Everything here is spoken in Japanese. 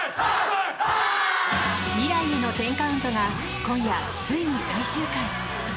「未来への１０カウント」が今夜ついに最終回。